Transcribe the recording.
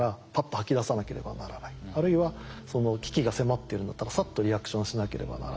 あるいは危機が迫っているんだったらさっとリアクションしなければならない。